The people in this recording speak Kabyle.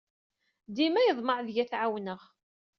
Dima iḍemmeɛ deg-i ad t-ɛawneɣ.